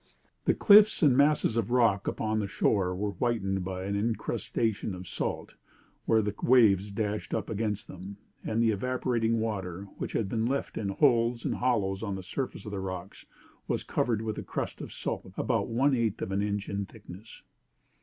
"'The cliffs and masses of rock along the shore were whitened by an incrustation of salt where the waves dashed up against them; and the evaporating water, which had been left in holes and hollows on the surface of the rocks, was covered with a crust of salt about one eighth of an inch in thickness.